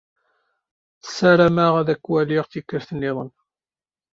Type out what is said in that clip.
Sarameɣ ad k-waliɣ tikkelt-nniḍen.